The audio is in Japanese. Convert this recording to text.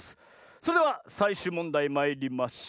それではさいしゅうもんだいまいりましょう！